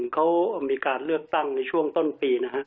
เขามีการเลือกตั้งในช่วงต้นปีนะฮะ